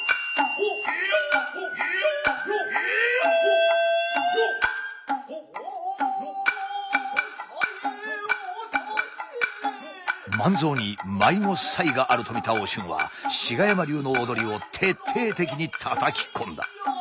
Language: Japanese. おさえ万蔵に舞の才があると見たお俊は志賀山流の踊りを徹底的に叩き込んだ。